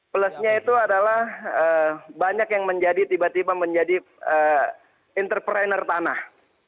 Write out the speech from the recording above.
plusnya itu adalah banyak yang menjadi tiba tiba menjadi entrepreneur tanah